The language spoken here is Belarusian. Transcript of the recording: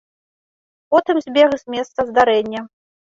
Потым збег з месца здарэння.